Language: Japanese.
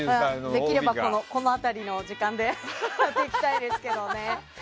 できればこの辺りの時間帯でやっていきたいですけどね。